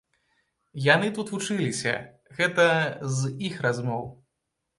Яны тут вучыліся, гэта з іх размоў.